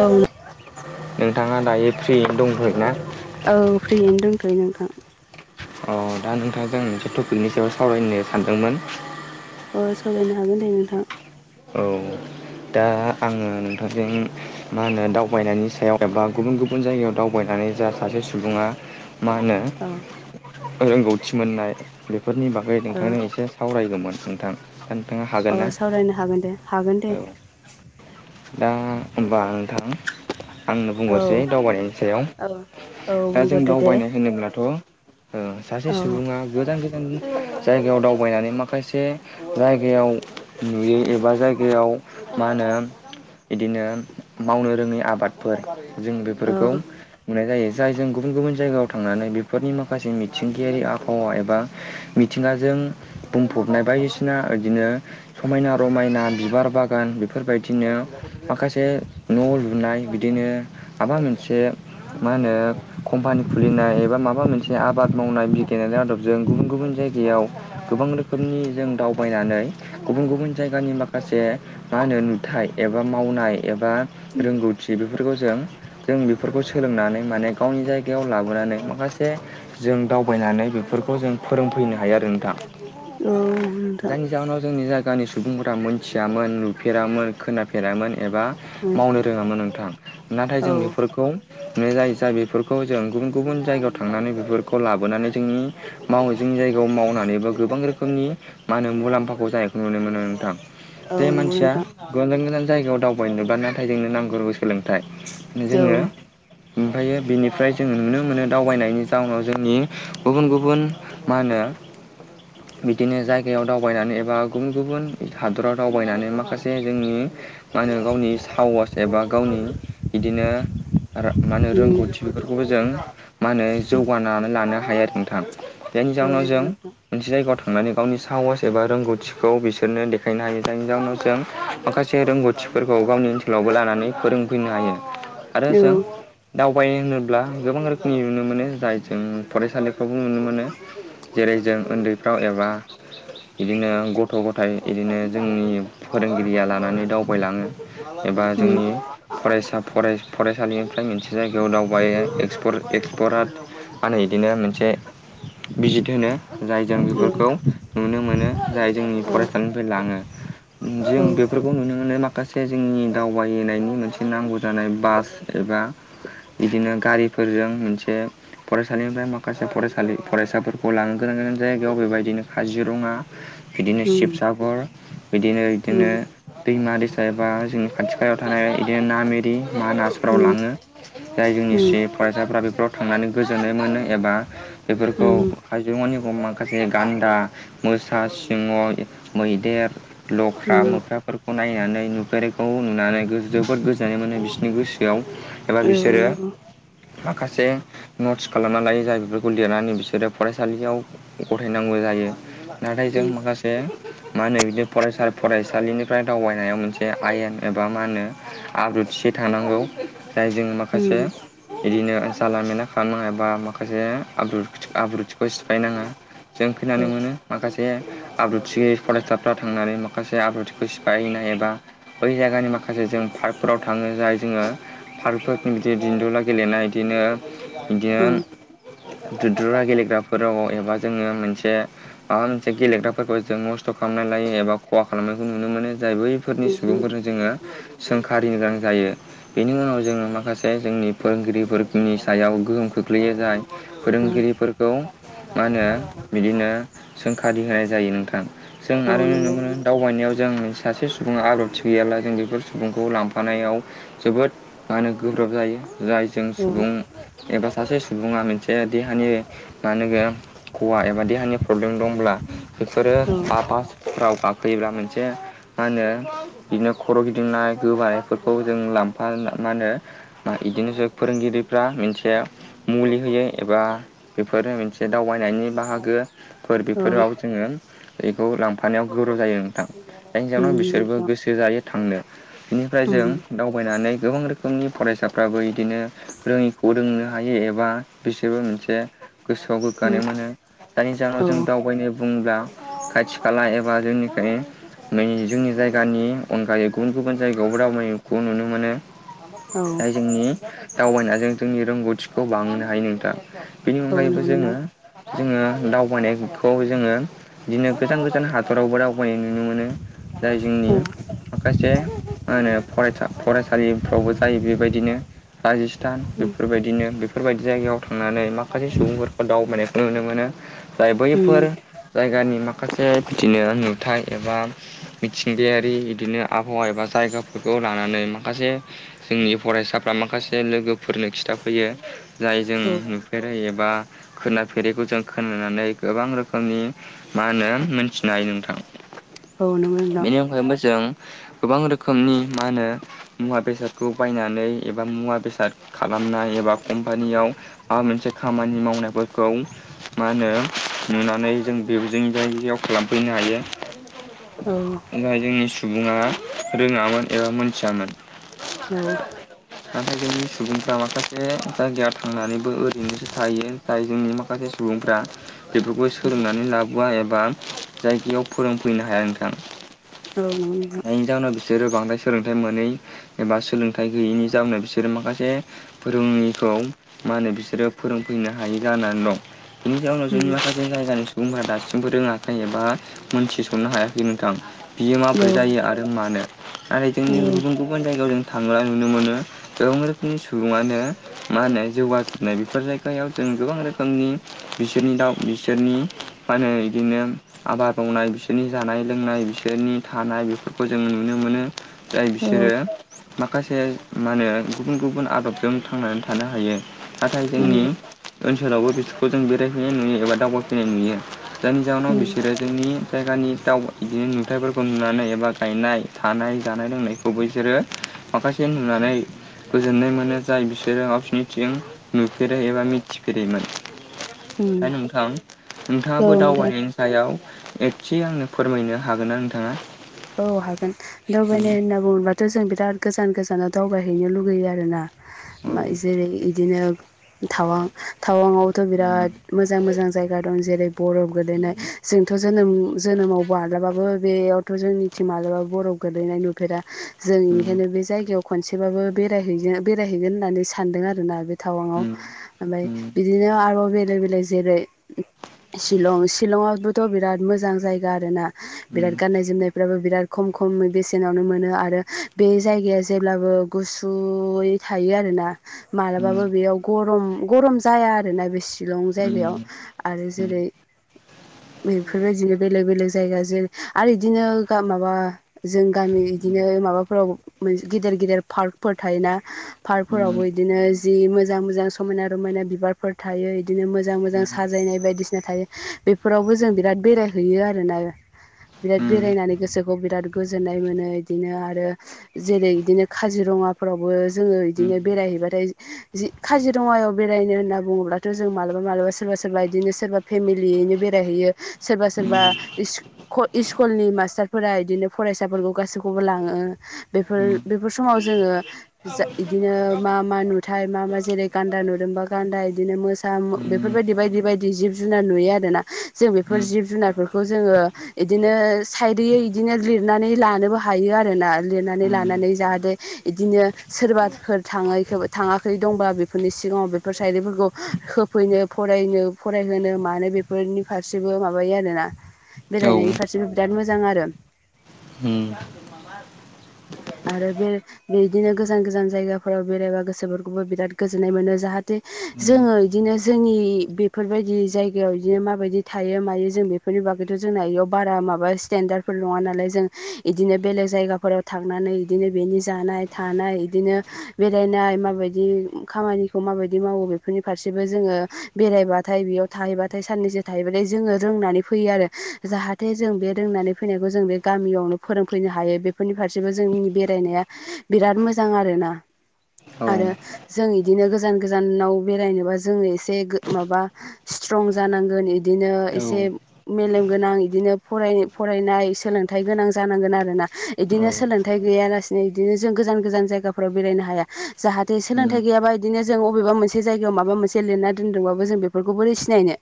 औ नोंथाङा दायो फ्रियैनो दंथ'योना? औ फ्रियैनो दंथ'यो नोंथां अ दा नोंथांजों आं मोनसे टपिकनि सायाव सावरायनो सानदोंमोन अ सावरायनो हागोन दे नोंथां औ दा आङो नोंथांजों मा होनो दावबायनायनि सायाव एबा गुबुन गुबुन- गुबुन जायगायाव दावबायनानै जा सासे सुबुङा मा होनो दा रोंगौथि मोननाय बेफोरनि बागै औ नोंथांजों एसे सावरायगोमोन नोंथां दा नोंथाङा हाग अ सावरायनो हागोन दे हागोन दे दां होनबा नोंथां आंनो औ बुंहरसै दावबायनायनि औ सायाव दा जों बुंग्रोदो दे दावबायनाय होनोब्लाथ' सासे औ सुबुङा गोदान गोदान जायगायाव दावबायनानै माखासे जायगायाव नुयो एबा जायगायाव मा होनो बिदिनो मावनो रोङै आबादफोर जों औ बेफोरखौ नुनाय जायो जाय जों गुबुन गुबुन जायगायाव थांनानै बेफोरनि माखासे मिथिंगायारि आबहावा एबा मिथिंगाजों बुंफबनाय बायदिसिना बिदिनो समायना रमायना बिबार बागान बेफोरबायदि बिदिनो माखासे न' लुनाय बिदिनो माबा मोनसे मा होनो कम्पानि खुलिनाय एबा माबा मोनसे आबाद मावनाय बिगेनायनि आदबजों गुबुन गुबुन जायगायाव बेयाव गोबां रोखोमनि जों दावबायनानै गुबुन गुबुन जायगानि माखासे मा होनो नुदों फिथाइ एबा मावनाय एबा रोंगौथि बेफोरखौ जों जों बेफोरखौ सोलोंनानै माने गावनि जायगायाव लाबोनानै माखासे जों दावबायनानै बेफोरखौ जों फोरोंफैनो हायो आरो नोंथां औ नोंथां जायनि जाहोनाव जोंनि जायगानि सुबुंफोरा मोनथियामोन नुफेरामोन खोनाफेरामोन एबा मावनो रोङामोन नोंथां नाथाय औ जों बेफोरखौ जाय जा बेफोरखौ जों गुबुन गुबुन जायगायाव थांनानै बेफोरखौ लाबोनानै जोंनि मावो जोंनि जायगायाव मावनानैबो गोबां रोखोमनि मा होनो मुलाम्फाखौ जानायखौ नुनो मोनो नोंथां औ बे नंगौ मानसिया नोंथां गोजान गोजान जायगायाव दावबायनो नुब्ला नाथाय जोंनो नांगौ गोस सोलोंथाइ औ जोङो ओमफ्रायो बेनिफ्राय जोङ नुनो मोनो दावबायनायनि जाउनाव जोंनि गुबुन गुबुन मा होनो बिदिनो जायगायाव दावबायनानै एबा गुबुन गुबुन हादराव दावबायनानै माखासे जे जोंनि मा होनो गावनि साहस एबा गावनि बिदिनो मा होनो उम रोंगौथि बेफोरखौबो जों मा होनो उम जौगानानै लानो हायो आरो नोंथां बेनि औ जाउनाव जों नंगौ नोंथां मोनसे जायगायाव थांनानै गावनि साहस एबा रोंगौथिखौ बिसोरनो देखायनो हायो जायनि जााहनाव जों माखासे रोंगौथिफोरखौ गावनि ओनसोलावबो लानानै फोरोंफैनो हायो आरो औ जों दावबायनो होनोब्ला गोबां रोखोमनि नुनो मोनो जाय जों फरायसालिफ्रावबो नुनो मोनो जेरै जों उन्दैफ्राव एबा बिदिनो गथ' गथाइ बिदिनो जोंनि फोरोंगिरिया लानानै दावबायलाङो एबा उम औ जोंनि फरायसा फरायसालिनिफ्राय मोनसे जायगायाव दावबायो एक्सपर मा होनो इदिनो मोनसे बिजित होनो जाय जों औ उम बेफोरखौ नुनो मोनो जाय जोंनि फरायसालिनिफ्राय लाङो जों उम बे खौ नुनो मोनो माखासे जोंनि दावबायनायनि मोनसे नांगौ जानाय बास एबा बिदिनो गारिफोरजों मोनसे फरायसालिनिफ्राय माखासे फरायसालि फरायसाफोरखौ लानोनो गोनां गोनान जायगायाव बेबायदिनो काजिरङा बिदिनो शिबसागर बिदिनो बिदिनो दैमा दैस एबा जोंनि खाथि खालायाव थानाय बिदिनो ना मेरि मा ना फोराव लाङो जाय जोंनि उम सि फरायसाफ्रा बेफोराव थांनानै गोजोननाय मोनो एबा बेफोरखौ उम हायजौमानि माखासे गान्दा मोसा सिङाव मैदेर लख्रा उम मोख्राफोरखौ नायनानै नुफेरैखौ नुनानै जोबोद गोजोननाय मोनो बिसोरनि गोसो बेयाव एबा औ बिसोरो नंगौ माखासे नट्स खालामना लायो जाय बेफोरखौ लिरनानै बिसोरो फरायसालियाव गथायनांगौ जायो। नाथाय जों उम माखासे मा होनो बिदि फरायसा फरायसालिनिफ्राय दावबायनायाव मोनसे आयेन एबा मा होनो? आब्रुथिसे थांनांगौ जाय जों माखासे उम बिदिनो जाला मेला खालामनाङा ए बा माखासेब आब्रुथिखौ सिफायनाङा। जों फैनानै औ मोनो माखासे आब्रुथि गै फरायसाफ्रा थांनानै माखासे आब्रुथिखौ सिफायैनाय एबा बै जायगानि माखासे जों पार्कफोराव थाङो जाय जोङो फारफोर बिदि दन्दुला गेलेनाय बिदिनो बिदिनो उम दुद्रुरा गेलेग्राफोराव एबा जोङो मोनसे आर मोनसे गेलेग्राफोरखौ जों मस्थ' खालामनानै लायो एबा खहा खालामनायखौ नुनो मोनो जाय बैफोरनि उम सुबुंफोरजों जोङो सोंखारिनो गोनां जायो। बेनि उनाव जोङो माखासे जोंनि फोरोंगिरिफोरनि सायाव गोहोम खोख्लैयो जाय फोरोंगिरिफोर मा होनो बिदिनो सोंखारि होनाय जायो नोंथां। औ नुनो नंगौ मोनो दावबायनायाव जों सासे सुबुङा आथि गैयाब्ला जों बेफोर सुबुंखौ लांफानायाव जोबोद मा होनो गोब्राब जायो जाय जों औ सुबुं एबा सासे सुबुङा मोनसे देहानि मा होनगोन हवा एबा देहानि प्रब्लेम दंब्ला बेफोरो औ बा राव गाखयोबब्ला मोनसे मा होनो बिदिनो खर' गिदिंनाय गोबायानायफोरखौ जों लांफा मा होनो? बिदिनोसो फोरोंगिरिफ्रा मोनसे मुलि होयो एबा बेफोर मोनसे दावबायनायनि बाहागो फोर औ उम बेफोराव जोङो बेखौ लां थानायानायाव गोराव जायो नोंथां दा हिनजावनाव बिसोरबो नंगौ गोसो जायो थांनो बेनिफ्राय जों दावबायनानै गोबां रोखोमनि फरायसाफ्राबो बिदिनो रोङिखौ रोंनो हायो एबा बिसोरबो मोनसे गोसोआव गोग्गानाय मोनो। जायनि जाहोनाव जों दावबायनो बुङोब्ला खाथि खाला एबा जोंनिखाय जोंनि जायगानि अनगायै गुबुन गुबुन जायगायावबो दावबायनायखौ नुनो मोनो। जाय जोंनि दावबायनायजों जोंनि रोंगौथिखौ बांहोनो हायो नोंथां। बेनि अनगायैबो नोंथां जोङो जोङो दावबायनायखौ जोङो बिदिनो गोजान गोजान हादरावबो दावगायनाय नुनो मोनो। जाय जोंनि उम माखासे मा होनो फरायसा फरायसालिफ्रावबो जायो बेबायदिनो राजस्थान बेफोरबायदिनो बेफोरबायदि जायगायाव थांनानै माखासे सुबुंफोरखौ दावबायनायखौ नुनो मोनो। जाय बैफोर उम जायगानि माखासे फिथिनो नुथाय एबा मिथिंगायारि बिदिनो आबहावा एबा जायगाफोरखौ लानानै माखासे जोंनि फरायसाफ्रा माखासे लोगोफोरनो खिथाफैयो। जाय जों औ नुफेरै एबा खोनाफेरैखौ जों खोनानानै गोबां रोखोमनि मा होनो मोनथिनो हायो नोंथां औ नंगौ नोंथां बेनि अनगायैबो जों गोबां रोखोमनि मा होनो? मुवा बेसादखौ बायनानै एबा मुवा बेसाद खालामनाय एबा कम्पानियाव माबा मोनसे खामानि मावनायफोरखौ मा होनो नुनानै जों बे जों जायायाव खालामफैनो हायो। औ जाय जोंनि सुबुङा रोङामोन एबा मोनथियामोन। औ नाथाय जोंनि सुबुंफ्रा माखासे जायगायाव थांनानैबो ओरैनोसो थायो। जाय जोंनि माखासे सुबुंफ्रा बेफोरखौ उम सोलोंनानै लाबोआ एबा जायगायाव फोरोंफैनो हाया नोंथां। औ नंगौ नोंथां जायनि जाउनाव बिसोरो बांद्राय सोलोंथाइ मोनै एबा सोलोंथाइ गैयैनि जाउनाव बिसोरो माखासे रोङिखौ मा होनो बिसोरो फोरोंफैनो हायि जानानै दं। बिनि जाउनाव जोंनि उम माखासे जायगानि सुबुंफोरा दा सिमबो रोङाखै एबा मोनथिसननो हायाखै नोंथां बियो औ माबफोर जायो आरो आरो मानो नाथाय जोंनि औ गुबुन गुबुन जायगायाव जों थांनाय नुनो मोनो। गोबां रोखोमनि सुबुङानो मा होनो जौगासुनाय बेफोर जायगायाव जों गोबां रोखोमनि बिसोरनि दाउ बिसोरनि फानो बिदिनो आबाद मावनाय बिसोरनि जानाय लोंनाय बिसोरनि थानाय बेफोरखौ जों नुनो मोनो। जाय औ औ बिसोरो माखासे मा होनो गुबुन गुबुन आदबजों थांनानै थानो हायो। नाथाय उम जोंनि ओनसोलावबो बिसोरखौ जों बेरायफैनाय नुयो एबा दावबायफैनाय नुयो। जायनि जाहोनाव उम बिसोरो जोंनि जायगानि दाउ बिदिनो नुथाइफोरखौ नुनानै एबा गायनाय थानाय जानाय लोंनाय खौ बिसोरो माखासे नुनानै गोजोननाय मोनो जाय बिसोरो गावसोरनिथिं नुफेरो एबा मिथिफेरैमोन ओमफाय नोंथां औ नोंथाङाबो नोंथां दावबायनायनि सायाव एबथि आंनो फोरमायनो हागोन ना नोंथाङा औ हागोन दावबायनाय होनना बुङोबाथ जों बिराद गोजान गोजानाव दावबायहैनो लुगैयो आरोना औ मा जेरै बिदिनो थावां टाउनआवथ' बिराद मोजां मोजां जायगा दं जेरै बरफ गोलैनाय जोंथ' जोनोम जोनोमाव माब्लाबाबो बेयावथ' जोंनिथिं माब्लाबाबो बर' गोग्लैनाय नुफेरा जों बेनिखायनो बे जायगायाव खनसेबाबो बेरायहै बेरायहैगोन होननानै सानदों आरोना बे टावाङाव ओमफ्राय बिदिनो आरोबाव बेलेक बेलेक जेरै शिलं शिलंआबोथ' बिराद मोजां जायगा आरो ना बिराद गाननाय जोमनायफ्राबो बिराद खम खम बेसेनावनो मोनो आरो बे जायगाया जेब्लाबो गुसुयै थायो आरोना मालाबाबो बेयाव गरम गरम जाया आरोना बे शिलं जायगायाव आरो जेरै बेफोरबायदिनो बेलेग बेलेग जायगा जों आरो बिदिनो माबा जों गामि इदिनो माबाफोराव गिदिर गिदेर पार्कफोर थायोना पार्कफोरावबो बिदिनो जि मोजां मोजां समायना रमायना बिबार फोर थायो बिदिनो मोजां मोजां साजायनाय बायदिसिना थायो। बेफोरावबो जों बिराद बेरायहैयो आरोना बिराद बेरायनानै गोसोखौ बिराद गोजोननाय मोनो बिदिनो आरो जेरै बिदिनो काजिरङाफोरावबो जोङो इदिनो बेरायहैबाथाय जि काजिरङायाव बेरायनो होनना बुङोब्लाथ जों मालाबा मालाबा सोरबा सोरबा बिदिनो सोरबा फेमिलियैनो बेरायहैयो सोरबा सोरबा इस स्कुलनि मास्टारफोरा बिदिनो फरायसाफोरखौ गासैखौबो लाङो बेफोर बेफोर समाव जोङो जा इदिनो मा मा नुथाय मा मा जेरै गान्दा नुदोंबा गान्दा बिदिनो मोसा बेफोरबायदि बायदि बायदि जिब जुनार नुयो आरो ना जों बेफोर जिब जुनारफोरखौ जोङो बिदिनो सायडयै इदिनो लिरनानै लानोबो हायो आर ना लिरनानै लानानै जाहाथे बिदिनो सोरबाफोर थाङै थाङाखै दंबा बेफोरनि सिगाङाव बेफोर सायरफोरखौ होफैनो फरायनो फरायहोनो मानो बेफोरनि फारसेबो माबायो आरोना [inaudible] बेरायनायनि फारसेबो बिराद मोजां आरो उम आरो बे बेदिनो गोजान गोजान जायगाफोराव बेरायबा गोसोफोरखौबो बिराद गोजोननाय मोनो जाहाथे जोङो इदिनो जोंनि बेफोरबायदि जायगायाव बिदिनो माबायदि थायो मायो जों बे बेफोरनि बागैथ जोंना बेयाव बारा माबा स्टेनडार्फोर नङा नालाय जों बिदिनो बेलेग जायगाफोराव था थांनानै बिदिनो बेनि जानाय थानाय बिदिनो बेरायनाय माबायदि खामानि माबायदि मावो बेफोरनि फारसेबो जोङो बेरायबाथाय बेयाव थाहैबाथाय साननो थायोबथाय जोङो रोंनानै फैयो आरो जाहाथे जों बे रोंनानै फैनायखौ जों बे गामयावनो फोरोंफैनो हायो बेफोरनिफ्राय गसिबो जोंनि बेरायनाया बिराद मोजां आरोना आरो जों इदिनो गोजान गोजानाव बेरायनोबा जोङो एसे माबा स्ट्रं जानांगोन इदिनो औ एसे मेलेम गोनां बिदिनो फराय फरायनाय सोलोंथाइ गोनां जानांगोन आरोना बिदिनो सोलोंथाइ गैयालासिनो बिदिनो जों गोजान गोजान जायगाफोराव बेरायनो हाया जाहाथे सोलोंथाइ गैयाबा बिदिनो जों अबेबा मोनसे जायगायाव माबा मोनसे लिरना दोनदोंबाबो जों बेफोरखौ बोरै सिनायनो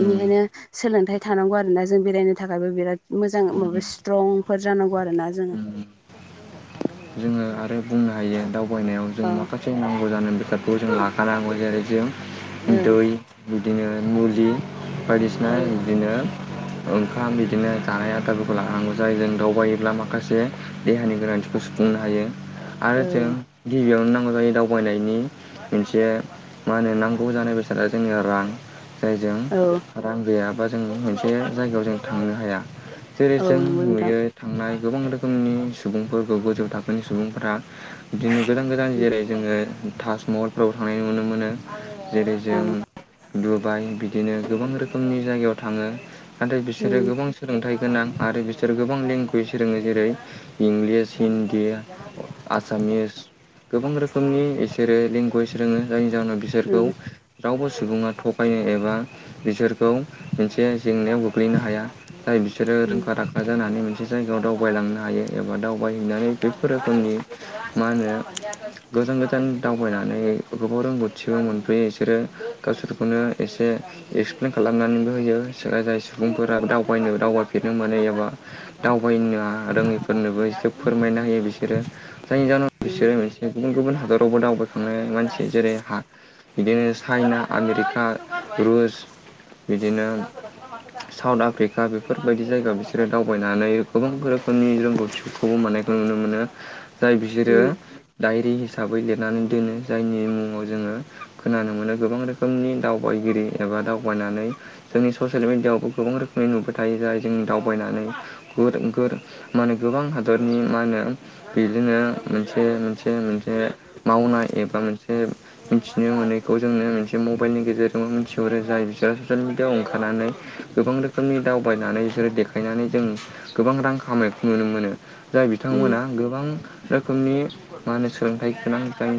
बेनिखायनो सोलोंथाइ थानांगौ आरोना जों बेरायनो थाखायबो बिराद मोजां औ माबा स्ट्रंफोर जानांगौ आरो ना जोङो जोङो आरो बुंनो हायो दावबायनायाव जों अ माखासे फसे नांगौ जानाय बेसादखौ जों लाखानांगौ जेरै जों दै बिदिनो मुलि बायदिसिना ओ औ बिदिनो ओंखाम बिदिनो जानाय आदारफोरखौ लानांगौ जायो जों दाउ बायोब्ला माखासे माखासे देहानि गोनांथिखौ सुफुंनो हायो आरो जों औ गिबियावनो नांगौ जायो दावबायनायनि मोनसे मा होनो नांगौ जानाय बेसादा जोंनिया रां जायजों औ रां गैयाबा जों मोनसे जायगायाव जों थांनो हाया जेरै औ जों नंगौ नोंथां नुयो थांनाय गोबां रोखोमनि सुबुंफोरखौ गोजौ थाखोनि सुबुंफोरा बिदिनो गोदान गोदान जेरै जोङो ताजमहलफ्राव थांनाय नुनो मोनो जेरै जों औ डुबाइ बिदिनो गोबां रोखोमनि जायगायाव थाङो नाथाय बिसोरो उम गोबां सोलोंथाइ गोनां आरो बिसोर गोबां लेंगुवेज रोङो जेरै इंलिस हिन्दी आसामिस गोबां रोखोमनि बिसोरो लेंगुवेज रोङो जायनि जाहोनाव बिसोरखौ उम रावबो सुबुङा थगायनो एबा बिसोरखौ मोनसे जेंनायाव गोग्लैनो हाया जाय बिसोरो उम रोंखा राखा जानानै मोनसे जायगायाव दावबायलांनो हागा हायो एबा दावबायहैनानै बेफोर रोखोमनि मा होनो गोजान गोजान दावबायनानै गोबाव रोंगौथिबो मोनबोयो बिसोरो गावसोरखौनो एसे एक्सप्लेन खालामनानैबो होयो जाय सुबुंफोरा दावबायनो दावबायफेरनो मोनै एबा दावबायनोा रोङैफोरनोबो ए फोरमायना होयो बिसोरो जायनि जाहाव बिसोरो से गुबुन गुबुन हादरावबो दावबायखांनाय मानसि जेरै हा बिदिनो चाइना आमेरिका रुस बिदिनो साउथ आफ्रिका बेफोरबायदि जायगायाव बिसोरो दावबायनानै गोबां रोखोमनि ग बिसोरखौबो माने नुनो मोनो जाय बिसोरो उम डायरि हिसाबै लिरनानै दोनो जायनि मुङाव जोङो खोनानो मोनो गोबां रोखोम रोखोमनि दावबायगिरि एबा दावबायनानै जोंनि ससियेल मिडियायावबो गोबां रोखोमनि नुबाय थायो जाय जोंनि दावबायनानै गुर गोर मा होने गोबां हादरनि मा होनो बिदिनो मोनसे मोनसे मोनसे मावनाय एबा मोनसे मिथिनो मोनैखौ जोंनो मोनसे मबाइलनि गेजेरजों मिथिहरो जाय बिसोरो ससियेल मिडियाआव ओंखारनानै गोबां रोखोमनि दावबायनानै बिसोरो देखायनानै जों गोबां रां खामाय नुनो मोनो जाय उम बिथांमोना गोबां रोखोमनि मा होनो सोलोंथाइ गोनां